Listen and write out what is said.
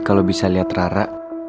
kalau bisa lihat rara